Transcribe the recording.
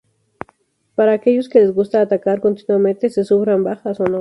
Para aquellos que les gusta atacar continuamente se sufran bajas o no.